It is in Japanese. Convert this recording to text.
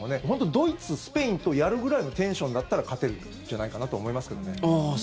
ドイツ、スペインとやるぐらいのテンションだったら勝てるんじゃないかなと思いますけどね。